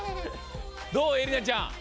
どうえりなちゃん